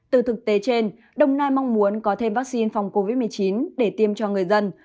từ thực tế trên đồng nai mong muốn có thêm vaccine phòng covid một mươi chín để tiêm cho người dân